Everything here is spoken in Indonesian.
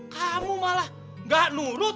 kamu malah nggak nurut